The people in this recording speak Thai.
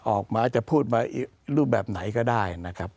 ออกมาจะพูดมารูปแบบไหนก็ได้